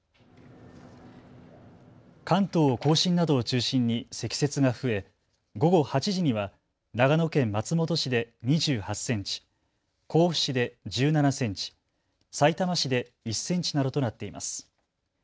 関東甲信などを中心に積雪が増え午後８時には長野県松本市で２８センチ、甲府市で１７センチ、さいたま市で１センチなどとなっています。